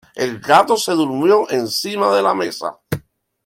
El gato se durmió encima de la mesa.